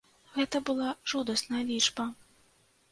Гэта была жудасная лічба.